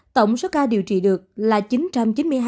tổng số ca điều trị được là chín trăm chín mươi hai năm mươi hai ca